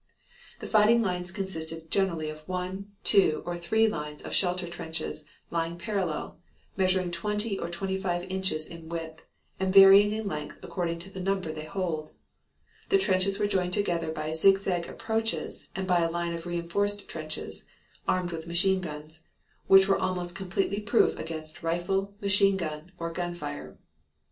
The fighting lines consisted generally of one, two, or three lines of shelter trenches lying parallel, measuring twenty or twenty five inches in width, and varying in length according to the number they hold; the trenches were joined together by zigzag approaches and by a line of reinforced trenches (armed with machine guns), which were almost completely proof against rifle, machine gun, or gun fire.